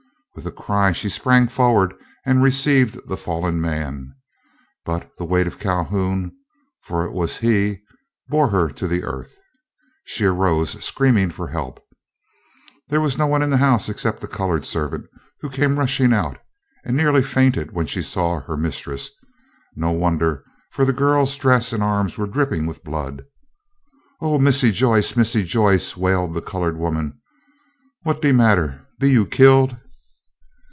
With a cry she sprang forward and received the falling man; but the weight of Calhoun, for it was he, bore her to the earth. She arose, screaming for help. There was no one in the house except a colored servant, who came rushing out, and nearly fainted when she saw her mistress. No wonder, for the girl's dress and arms were dripping with blood. "Oh! Missy Joyce! Missy Joyce!" wailed the colored woman, "what's de mattah? Be yo' killed?"